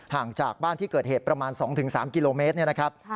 ห่างจากบ้านที่เกิดเหตุประมาณ๒๓กิโลเมตรเนี่ยนะครับ